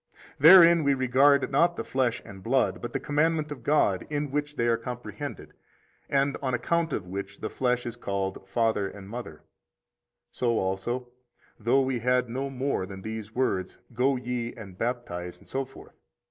Therein we regard not the flesh and blood, but the commandment of God in which they are comprehended, and on account of which the flesh is called father and mother; so also, though we had no more than these words, Go ye and baptize, etc.